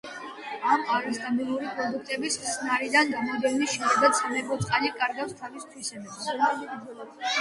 ამ არასტაბილური პროდუქტების ხსნარიდან გამოდევნის შედეგად, სამეფო წყალი კარგავს თავის თვისებებს.